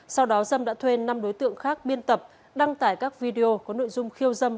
sau đó dâm đã thuê năm đối tượng khác biên tập đăng tải các video có nội dung khiêu dâm